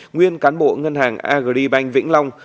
nguyên cán bộ ngân hàng agribank vĩnh long